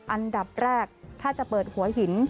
อันดับแรกถ้าจะเปิดหัวหิน